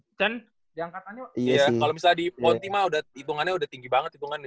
iya kalau misalnya di ultima udah hitungannya tinggi banget